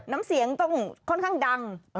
น้ำเสียงต้องค่อนข้างดัง